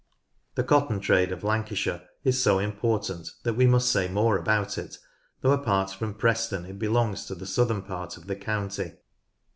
The cotton trade of Lancashire is so important that we must say more about it, though apart from Preston it belongs to the southern part of the county.